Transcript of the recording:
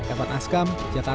efat askam jakarta